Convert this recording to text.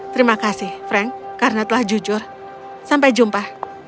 terima kasih frank karena telah jujur sampai jumpa